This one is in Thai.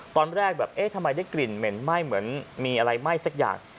ตอนแรกแบบเอ๊ะทำไมได้กลิ่นเหม็นไหม้เหมือนมีอะไรไหม้สักอย่าง